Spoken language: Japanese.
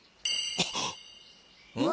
あっ。